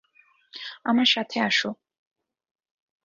আমার সাথে আসো।